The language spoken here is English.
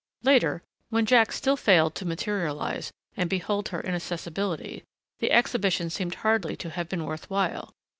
Later, when Jack still failed to materialize and behold her inaccessibility, the exhibition seemed hardly to have been worth while....